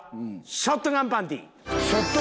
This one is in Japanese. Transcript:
ショットガンパンティ？